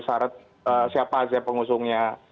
sarat siapa aja pengusungnya